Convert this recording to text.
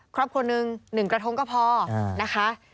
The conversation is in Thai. ครอบครเดิม๑กระทงก็พอนะคะ